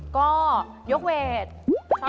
ก็ยกเวทชอบยกเวทมาก